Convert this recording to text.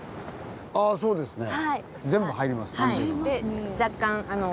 ああそうですね。